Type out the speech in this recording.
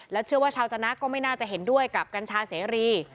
และเชื่อว่าชาวกรรณหาก็ไม่น่าจะเห็นด้วยกับกัญชาซลี